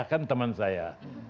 kan teman saya